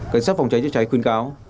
cảnh sát phòng cháy cháy cháy khuyến cáo